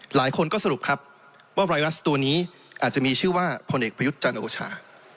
หลายคนก็สรุปครับว่าไวรัสตัวนี้อาจจะมีชื่อว่าพลเอกประยุทธ์จันทร์โอชา